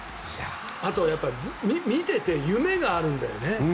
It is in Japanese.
あと、見ていて夢があるんだよね。